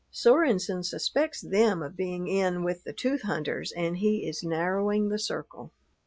Sorenson suspects them of being in with the tooth hunters and he is narrowing the circle.